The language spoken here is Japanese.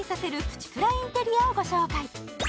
プチプラインテリアをご紹介